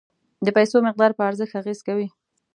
د پیسو مقدار په ارزښت اغیز کوي.